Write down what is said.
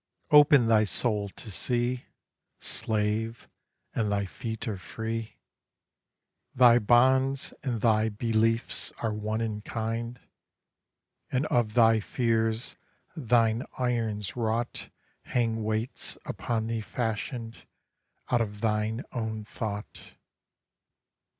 Open thy soul to see, Slave, and thy feet are free; Thy bonds and thy beliefs are one in kind, And of thy fears thine irons wrought Hang weights upon thee fashioned out of thine own thought.